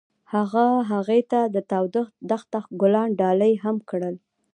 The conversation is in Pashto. هغه هغې ته د تاوده دښته ګلان ډالۍ هم کړل.